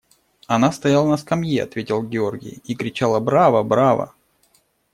– Она стояла на скамье, – ответил Георгий, – и кричала: «Браво, браво!»